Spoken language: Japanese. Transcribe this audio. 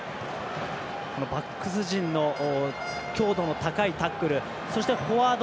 バックス陣の強度の高いタックルそしてフォワード